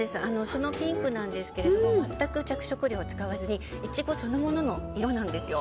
そのピンクなんですが全く着色料を使わずにイチゴそのものの色なんですよ。